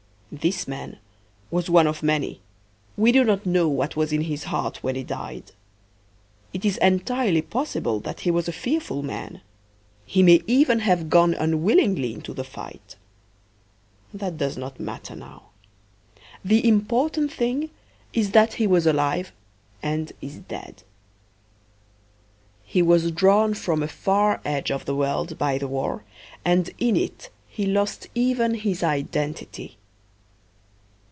This man was one of many. We do not know what was in his heart when he died. It is entirely possible that he was a fearful man. He may even have gone unwillingly into the fight. That does not matter now. The important thing is that he was alive and is dead. He was drawn from a far edge of the world by the war and in it he lost even his identity.